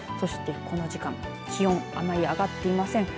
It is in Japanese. この時間、気温、あまり上がっていません。